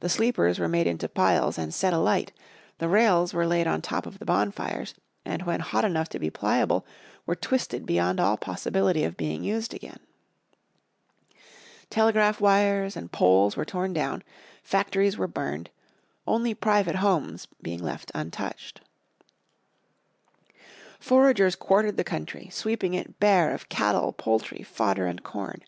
The sleepers were made into piles and set alight, the rails were laid on the top of the bonfires, and when hot enough to be pliable were twisted beyond all possibility of being used again. Telegraph wires and poles were torn down, factories were burned, only private homes being left untouched. Foragers quartered the country, sweeping it bare of cattle, poultry, fodder and corn.